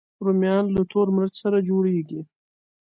رومیان له تور مرچ سره جوړېږي